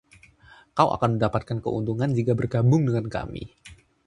Kau akan mendapatkan keuntungan jika bergabung dengan kami.